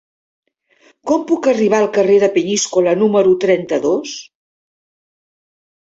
Com puc arribar al carrer de Peníscola número trenta-dos?